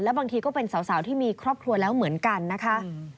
บางทีก็เป็นสาวที่มีครอบครัวแล้วเหมือนกันนะคะ